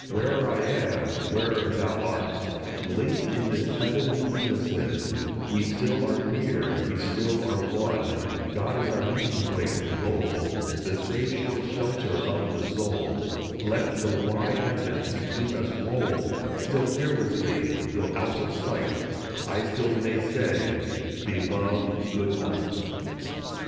Where'er I am, where'er thou art, Linked in this heavenly unison We still are near, we still are one ! God is our meeting place and goal, The safe, sure shelter of the soul. Let the wide heavens between us roll ; Still fearlessly, though out of sight, I still may say, " Beloved, good night."